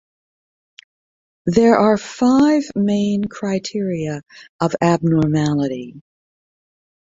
There are five main criteria of abnormality.